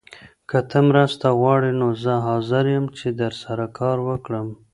که ته مرسته غواړې نو زه حاضر یم چي درسره کار وکړم.